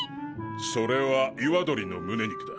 それは岩ドリの胸肉だ。